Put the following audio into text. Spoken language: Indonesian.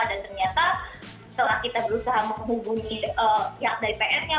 dan ternyata setelah kita berusaha menghubungi pihak dari pn nya